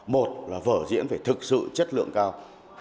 một là vở diễn phải thực sự chất lượng cao